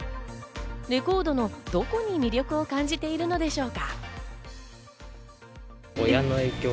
レコードのどこに魅力を感じているのでしょうか？